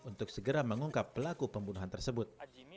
untuk segera mengungkap pelaku pembunuhan tersebut